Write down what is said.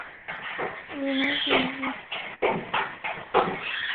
uinuaji miguu zaidi ya kawaida wakati wa kutembea